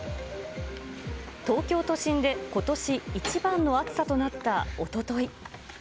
東京都心でことし一番の暑さとなったおととい。